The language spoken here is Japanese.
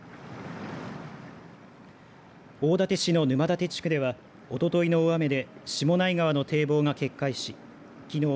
大館市の沼館地区ではおとといの大雨で下内川の堤防が決壊しきのう